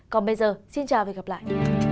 còn bây giờ xin chào và hẹn gặp lại